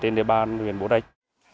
tên địa bàn huyện bố trạch